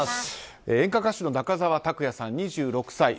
演歌歌手の中澤卓也さん２６歳。